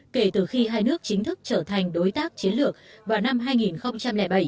kể từ khi hai nước chính thức trở thành đối tác chiến lược vào năm hai nghìn bảy